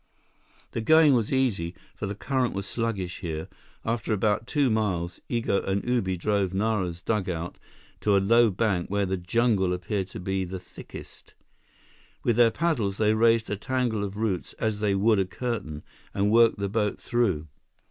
The going was easy, for the current was sluggish here. After about two miles, Igo and Ubi drove Nara's dugout to a low bank where the jungle appeared to be the thickest. With their paddles, they raised a tangle of roots as they would a curtain, and worked the boat through.